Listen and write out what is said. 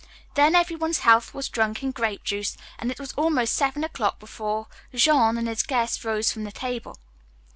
Then everyone's health was drunk in grape juice, and it was almost seven o'clock before Jean and his guests rose from the table.